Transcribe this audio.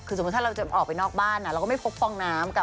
คือสมมุติถ้าเราจะออกไปนอกบ้านเราก็ไม่พกฟองน้ำ